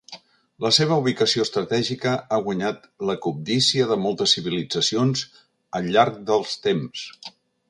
La seva ubicació estratègica ha guanyat la cobdícia de moltes civilitzacions al llarg dels temps.